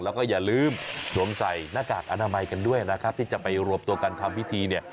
แล้วก็อย่าลืมสวมใส่หน้ากากอนามัยกันด้วยนะครับที่จะไปรวมตัวกันทำพิธีเนี่ย